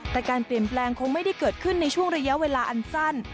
แต่การเปลี่ยนแปลงคงไม่ได้เกิดขึ้นในช่วงระยะเวลาอันสั้น